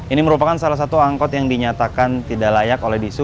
ini merupakan salah satu angkot yang dinyatakan tidak layak oleh disu